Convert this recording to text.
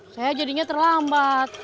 saya jadinya terlambat